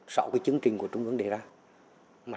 sau chương trình của trung ương đề ra